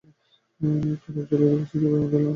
তরল জলের উপস্থিতির জন্য বায়ুমণ্ডলের উপস্থিতি জরুরী।